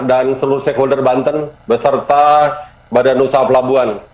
dan seluruh stakeholder banten beserta badan usaha pelabuhan